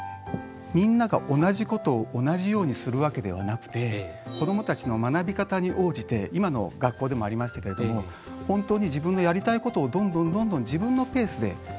みんなが同じことを同じようにするわけではなくて子どもたちの学び方に応じて今の学校でもありましたけれども本当に自分のやりたいことをどんどんどんどん自分のペースでやっていく。